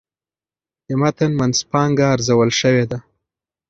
د متن منځپانګه ارزول شوې ده.